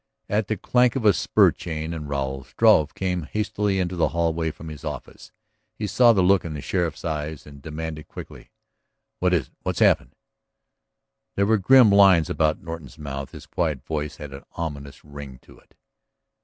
At the clank of spur chain and rowel Struve came hastily into the hallway from his office. He saw the look in the sheriff's, eyes and demanded quickly: "What is it? What's happened?" There were grim lines about Norton's mouth, his quiet voice had an ominous ring to it.